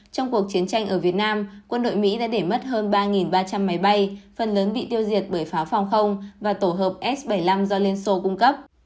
trong cuộc chiến tranh ở việt nam quân đội mỹ đã để mất hơn ba ba trăm linh máy bay phần lớn bị tiêu diệt bởi pháo phòng không và tổ hợp s bảy mươi năm do liên xô cung cấp